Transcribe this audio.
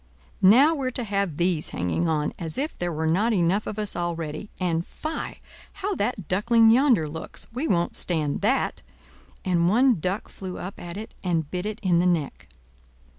now we're to have these hanging on, as if there were not enough of us already! And—fie!—how that Duckling yonder looks; we won't stand that!" And one duck flew up at it, and bit it in the neck.